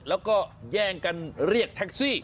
แล้วก็แย่งกันเรียกแท็กซี่